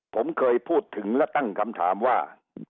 ผมเคยพูดถึงและตั้งคำถามว่า